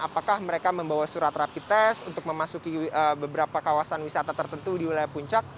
apakah mereka membawa surat rapi tes untuk memasuki beberapa kawasan wisata tertentu di wilayah puncak